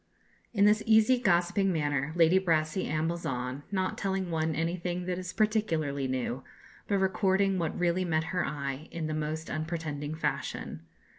In this easy, gossiping manner Lady Brassey ambles on, not telling one anything that is particularly new, but recording what really met her eye in the most unpretending fashion.